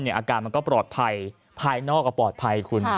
อาการมันก็ปลอดภัยภายนอกก็ปลอดภัยคุณ